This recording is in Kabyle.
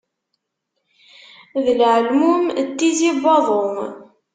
D leɛmum n tizi n waḍu.